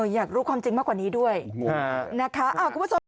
อยากรู้ความจริงมากกว่านี้ด้วยนะคะ